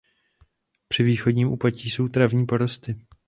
Při východním úpatí jsou travní porosty.